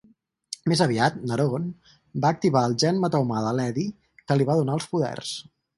Més aviat, Neron va activar el gen metahumà de l'Eddie que li va donar els poders.